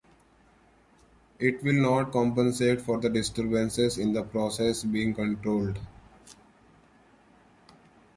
It will not compensate for disturbances in the process being controlled.